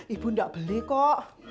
ibu gak beli kok